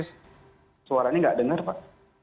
suaranya nggak dengar pak